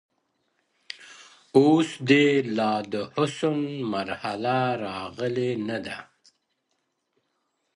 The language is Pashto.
• اوس دي لا د حسن مرحله راغلې نه ده؛